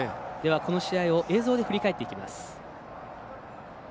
この試合を映像で振り返っていきます。